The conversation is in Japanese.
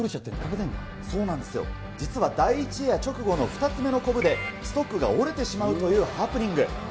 そうなんですよ、実は第１エア直後の２つ目のこぶで、ストックが折れてしまうというハプニング。